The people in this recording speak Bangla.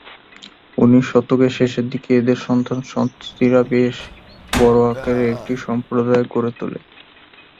উনিশ শতকের শেষের দিকে এদের সন্তান-সন্ততিরা বেশ বড় আকারের একটা সম্প্রদায় গড়ে তোলে।